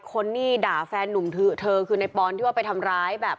คนนี่ด่าแฟนนุ่มเธอเธอคือในปอนที่ว่าไปทำร้ายแบบ